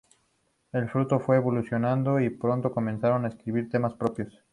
El grupo fue evolucionando y pronto comenzaron a escribir temas propios.